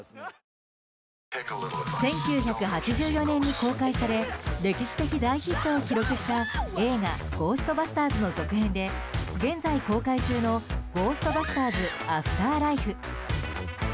１９８４年に公開され歴史的大ヒットを記録した映画「ゴーストバスターズ」の続編で現在公開中の「ゴーストバスターズアフターライフ」。